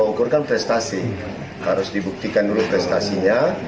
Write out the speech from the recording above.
kalau ukurkan prestasi harus dibuktikan dulu prestasinya